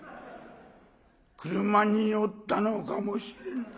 車に酔ったのかもしれない。